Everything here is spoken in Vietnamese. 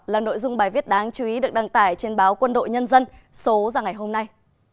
là nội dung bài viết đáng chú ý được đăng tải trên báo quân đội nhân dân số ra ngày hôm nay